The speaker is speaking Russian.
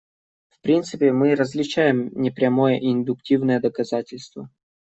В принципе, мы различаем непрямое и индуктивное доказательство.